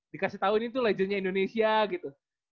dikasih tau ini tuh legendnya indonesia gitu